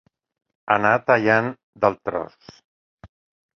Anar tallant del tros.